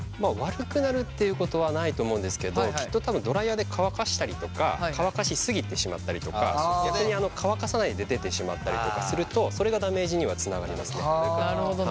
悪くなるっていうことはないと思うんですけどきっと多分ドライヤーで乾かしたりとか乾かしすぎてしまったりとか逆に乾かさないで出てしまったりとかするとそれがダメージにはつながりますね。